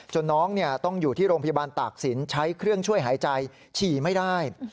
น้องต้องอยู่ที่โรงพยาบาลตากศิลปใช้เครื่องช่วยหายใจฉี่ไม่ได้